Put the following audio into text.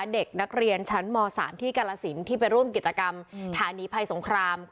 เด็กนักเรียนชั้นม๓ที่กาลสินที่ไปร่วมกิจกรรมฐานีภัยสงคราม